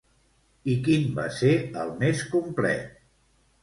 I quin va ser el més complet?